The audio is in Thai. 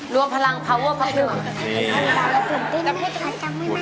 รวมพลังพลังไว้